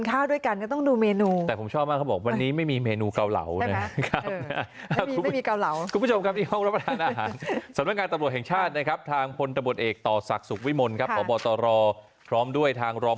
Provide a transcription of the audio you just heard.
ขอบอกต่อรอพร้อมด้วยทางรอง